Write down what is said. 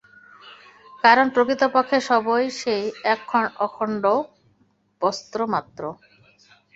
কারণ প্রকৃতপক্ষে সবই সেই এক অখণ্ড বস্তুমাত্র।